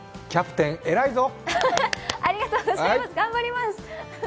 キャプテン偉いぞ！